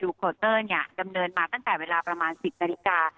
โคตเตอร์เนี่ยดำเนินมาตั้งแต่เวลาประมาณ๑๐นาฬิกา